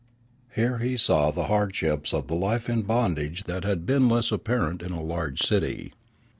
Here he saw hardships of the life in bondage that had been less apparent in a large city.